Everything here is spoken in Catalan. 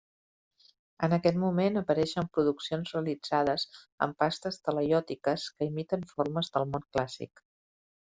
En aquest moment apareixen produccions realitzades amb pastes talaiòtiques que imiten formes del món clàssic.